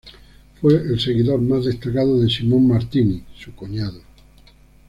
Fue el seguidor más destacado de Simone Martini, su cuñado.